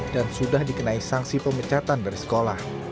dan sudah dikenai sanksi pemecatan dari sekolah